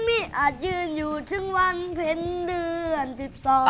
มีอาจยืนอยู่ถึงวันเพลงเดือนสิบสอง๑๕